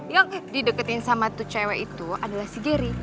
yang dideketin sama tuh cewek itu adalah si dery